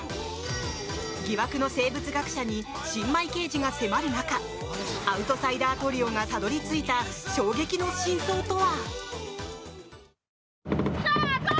疑惑の生物学者に新米刑事が迫る中アウトサイダートリオがたどり着いた衝撃の真相とは。